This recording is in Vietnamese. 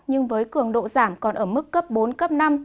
nhưng với cường độ giảm còn ở mức cấp bốn cấp năm